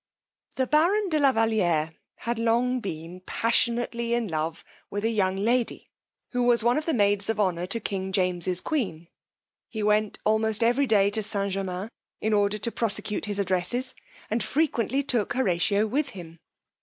The baron de la Valiere had long been passionately in love with a young lady, who was one of the maids of honour to king James's queen: he went almost every day to St. Germains, in order to prosecute his addresses, and frequently took Horatio with him.